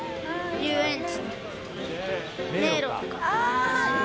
遊園地の迷路とか。